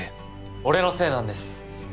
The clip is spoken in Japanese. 俺のせいなんです。